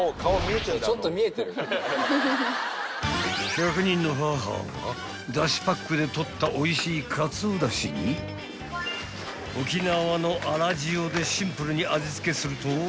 ［１００人の母はだしパックで取ったおいしいかつおだしに沖縄のあら塩でシンプルに味付けすると］